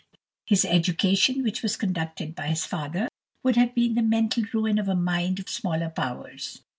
His education, which was conducted by his father, would have been the mental ruin of a mind of smaller powers.